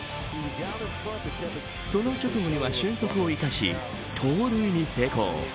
その直後には俊足を生かし盗塁に成功。